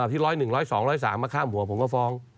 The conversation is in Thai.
ที่ร้อยหนึ่งร้อยสองร้อยสามมาข้ามหัวผมก็ฟ้อง